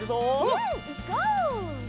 うんいこう！